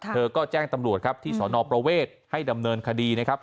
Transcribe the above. เธอก็แจ้งตำรวจครับที่สนประเวทให้ดำเนินคดีนะครับ